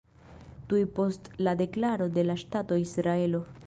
Tuj post la deklaro de la ŝtato Israelo.